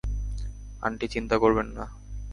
Aunty, চিন্তা করবেন না।